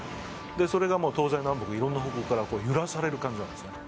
それが当然いろんな方向から揺らされる感じなんですね。